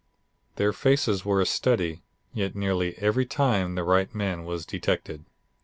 Their faces were a study, yet nearly every time the right man was detected.